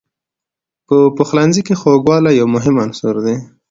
په پخلنځي کې خوږوالی یو مهم عنصر دی.